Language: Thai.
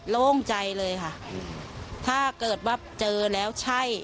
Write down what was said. โล่งใจเลยค่ะถ้าเกิดว่าเจอแล้วใช่